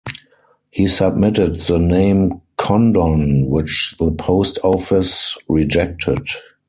He submitted the name Condon, which the Post Office rejected.